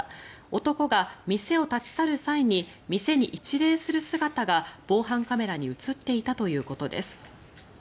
男が店を立ち去る際に店に一礼する姿が防犯カメラに映っていたということです。